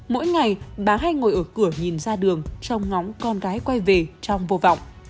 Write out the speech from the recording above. mỗi ngày bà hay ngồi ở cửa nhìn ra đường trong ngóng con gái quay về trong vô vọng